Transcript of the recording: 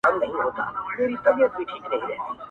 علم انسان آزادوي.